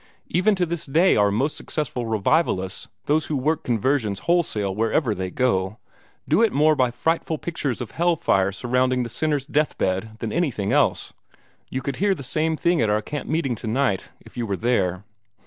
Even to this day our most successful revivalists, those who work conversions wholesale wherever they go, do it more by frightful pictures of hell fire surrounding the sinner's death bed than anything else. You could hear the same thing at our camp meeting tonight, if you were there."